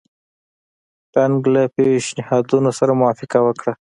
ډنکن له پېشنهادونو سره موافقه وکړه.